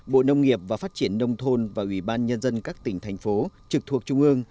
bộ nông nghiệp và phát triển nông thôn và ủy ban nhân dân các tỉnh thành phố trực thuộc trung ương